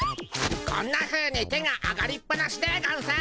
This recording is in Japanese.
こんなふうに手が上がりっぱなしでゴンス。